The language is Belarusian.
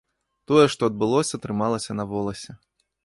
Тое, што адбылося, трымалася на воласе.